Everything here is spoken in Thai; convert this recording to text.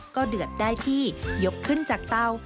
ก็เดือดได้ที่ยกขึ้นจากเตา